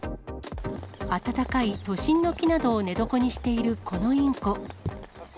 暖かい都心の木などを寝床にしているこのインコ。